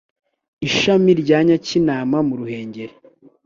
ishami rya Nyakinama mu Ruhengeri